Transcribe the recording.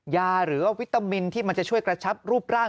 ยาหรือว่าวิตามินที่มันจะช่วยกระชับรูปร่าง